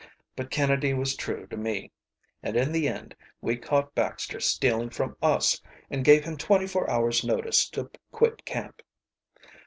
But Kennedy was true to me, and in the end we caught Baxter stealing from us, and gave him twenty four hours' notice to quit camp.